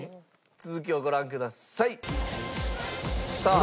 続きをご覧ください。さあ。